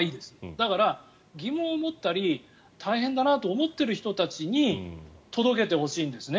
だから、疑問を持ったり大変だなと思っている人たちに届けてほしいんですね